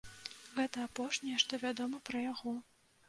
Гэта апошняе, што вядома пра яго.